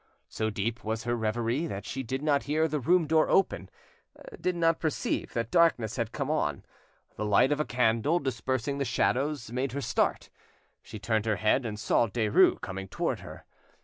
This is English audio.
So deep was her reverie that she did not hear the room door open, did not perceive that darkness had come on. The light of a candle, dispersing the shadows, made her start; she turned her head, and saw Derues coming towards her.